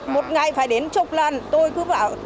sáng tôi cũng phải ra